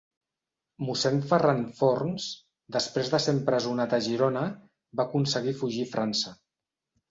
Mossèn Ferran Forns, després de ser empresonat a Girona, va aconseguir fugir a França.